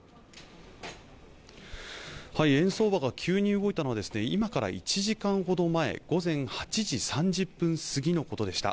円相場が急に動いたのは今から１時間ほど前、午前８時３０分過ぎのことでした。